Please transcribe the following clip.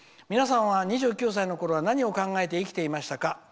皆さんは、２９歳のころは何を考えて生きていましたか？」